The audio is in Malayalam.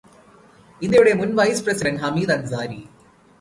ഇന്ത്യയുടെ മുൻ വൈസ് പ്രെസിഡെന്റ് ഹമീദ് അൻസാരി